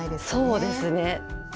そうですね。